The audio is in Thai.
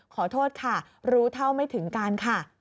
ขอโทษค่ะรู้เท่าไม่ถึงการค่ะ